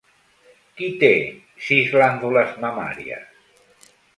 Qui té sis glàndules mamàries?